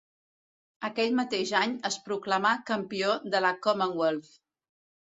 Aquell mateix any es proclamà campió de la Commonwealth.